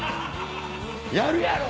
やるやろ！